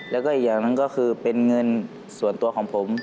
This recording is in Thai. แล้วก็อีกอย่างหนึ่งก็คือเป็นเงินส่วนตัวของผม